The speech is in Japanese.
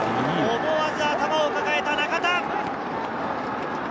思わず頭を抱えた中田！